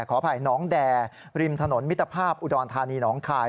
ขออภัยน้องแดริมถนนมิตรภาพอุดรธานีน้องคาย